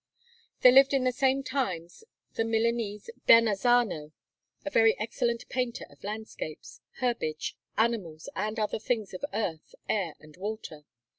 There lived in the same times the Milanese Bernazzano, a very excellent painter of landscapes, herbage, animals, and other things of earth, air, and water.